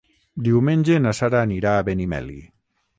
Diumenge na Sara anirà a Benimeli.